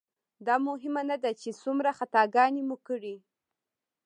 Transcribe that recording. دا مهمه نه ده چې څومره خطاګانې مو کړي.